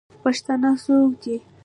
پښتانه څوک دئ؟